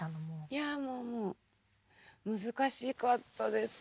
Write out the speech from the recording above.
いやもうもう難しかったですよ。